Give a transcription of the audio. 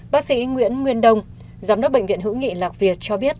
bác sĩ nguyễn nguyên đông giám đốc bệnh viện hữu nghị lạc việt cho biết